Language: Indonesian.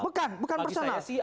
bukan bukan personal